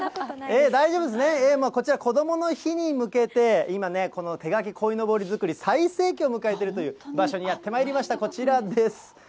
大丈夫ですね、こちら、こどもの日に向けて、今ね、この手描きこいのぼり作り、最盛期を迎えているという場所にやってまいりました、こちらです。